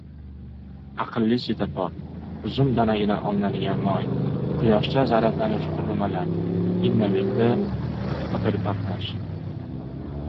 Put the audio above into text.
«Aqlli svetofor», uzum danagidan olinadigan moy, quyoshda zaryadlanuvchi qurilmalar - Innoweek’dan fotoreportaj